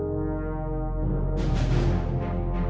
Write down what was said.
ที่สุดท้าย